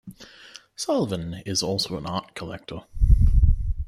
Sullivan is also an art collector.